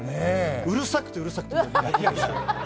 うるさくてうるさくて。